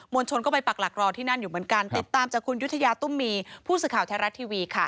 มวลชนก็ไปปลักรักอยู่ตามจากคุณยุฏยาตุ้มมีผู้สึกข่าวแท้รัสทีวี